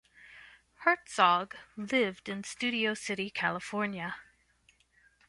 Hertzog lived in Studio City, California.